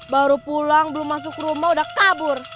baru pulang belum masuk rumah udah kabur